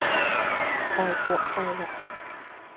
外國勢力